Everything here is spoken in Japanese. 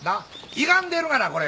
いがんでるがなこれ。